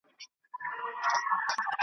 چي کسات د ملالیو راته واخلي .